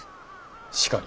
しかり。